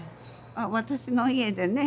私の家でね